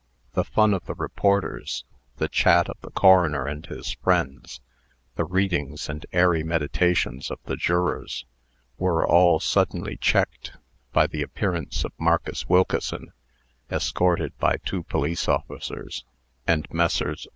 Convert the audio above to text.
The fun of the reporters, the chat of the coroner and his friends, the readings and airy meditations of the jurors, were all suddenly checked by the appearance of Marcus Wilkeson, escorted by two police officers, and Messrs.